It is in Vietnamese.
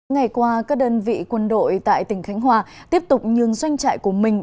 ngày qua các đơn vị quân đội tại tỉnh khánh hòa tiếp tục nhường doanh trại của mình